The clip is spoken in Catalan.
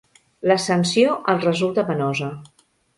L'ascensió els resulta penosa.